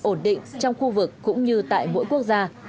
ổn định trong khu vực cũng như tại mỗi quốc gia